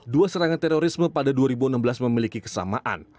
dua serangan terorisme pada dua ribu enam belas memiliki kesamaan